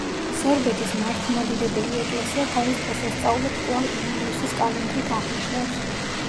სერბეთის მართლმადიდებელი ეკლესია თავის დღესასწაულებს კვლავ იულიუსის კალენდრით აღნიშნავს.